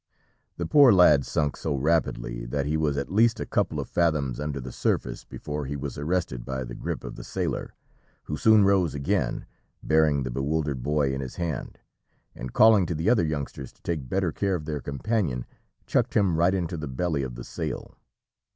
The poor lad sunk so rapidly that he was at least a couple of fathoms under the surface before he was arrested by the grip of the sailor, who soon rose again, bearing the bewildered boy in his hand, and calling to the other youngsters to take better care of their companion, chucked him right into the belly of the sail.